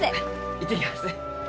行ってきます。